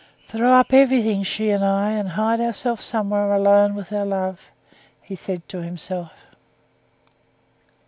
"Throw up everything, she and I, and hide ourselves somewhere alone with our love," he said to himself.